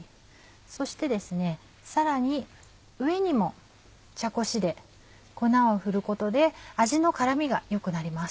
そしてさらに上にも茶こしで粉を振ることで味の絡みが良くなります。